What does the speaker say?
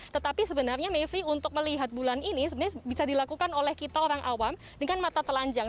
tetapi sebenarnya mevri untuk melihat bulan ini sebenarnya bisa dilakukan oleh kita orang awam dengan mata telanjang